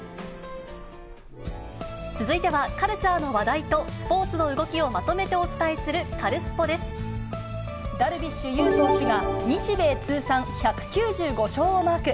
続いては、カルチャーの話題とスポーツの動きをまとめてお伝えするカルスポダルビッシュ有投手が、日米通算１９５勝をマーク。